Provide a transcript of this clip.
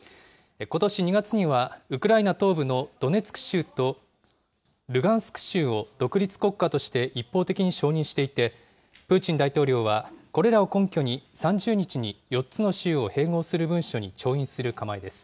ことし２月には、ウクライナ東部のドネツク州とルガンスク州を独立国家として一方的に承認していて、プーチン大統領はこれらを根拠に、３０日に４つの州を併合する文書に調印する構えです。